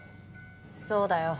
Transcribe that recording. そうだよ。